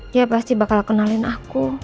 dia pasti bakal kenalin aku